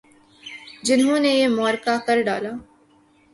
جنہوں نے یہ معرکہ کر ڈالا۔